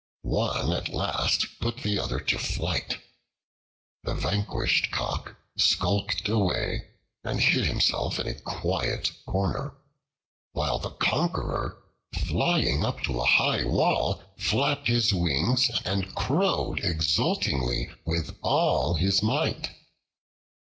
One at last put the other to flight. The vanquished Cock skulked away and hid himself in a quiet corner, while the conqueror, flying up to a high wall, flapped his wings and crowed exultingly with all his might.